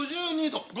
５２度。